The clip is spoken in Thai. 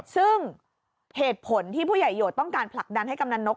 ซึ่งเหตุผลที่ผู้ใหญ่โหดต้องการผลักดันให้กำนันนก